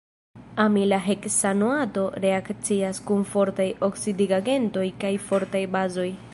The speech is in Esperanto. Amila heksanoato reakcias kun fortaj oksidigagentoj kaj fortaj bazoj.